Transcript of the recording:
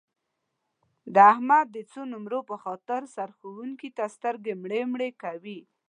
د احمد د څو نمرو په خاطر سرښوونکي ته سترګې مړې مړې کوي.